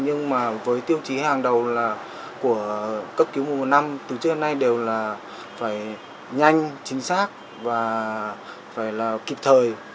nhưng mà với tiêu chí hàng đầu là của cấp cứu mùa năm từ trước đến nay đều là phải nhanh chính xác và phải là kịp thời